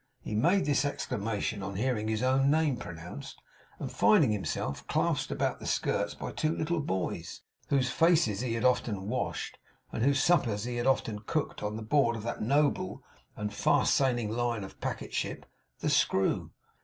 He made this exclamation on hearing his own name pronounced, and finding himself clasped about the skirts by two little boys, whose faces he had often washed, and whose suppers he had often cooked, on board of that noble and fast sailing line of packet ship, the Screw.